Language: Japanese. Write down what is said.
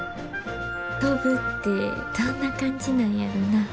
飛ぶってどんな感じなんやろな。